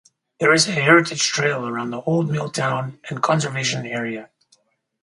There is a heritage trail around the old mill town and conservation area.